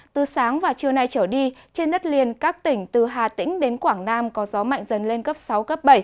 từ sáng và trưa nay trở đi trên đất liền các tỉnh từ hà tĩnh đến quảng nam có gió mạnh dần lên cấp sáu cấp bảy